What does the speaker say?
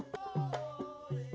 kepala kota kepala